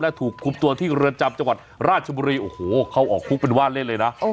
และถูกคุมตัวที่เรือนจำจังหวัดราชบุรีโอ้โหเขาออกคุกเป็นว่าเล่นเลยนะ